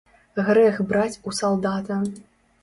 Грэх браць у салдата.